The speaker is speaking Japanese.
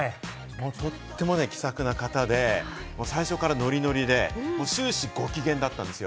とても気さくな方で、最初からノリノリで終始ご機嫌だったんですよ。